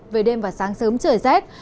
về đêm và sáng sớm trời rét